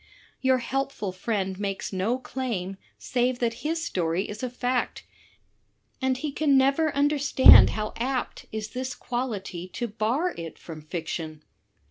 Your helpful friend makes no claim save that his story is a fact, and he can never understand how apt is this quality to bar it from fiction.